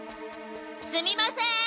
すみません！